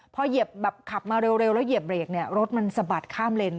พอขับมาเร็วแล้วเหยียบเหลกรถมันสะบัดข้ามเลน